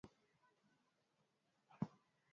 Nimesahau kuzima taa.